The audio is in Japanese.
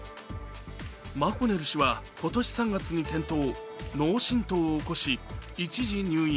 マコネル氏は今年３月に転倒、脳しんとうを起こし、一時入院。